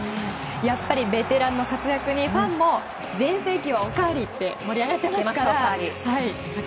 やっぱりベテランの活躍にファンも全盛期をおかわりって盛り上がってますから。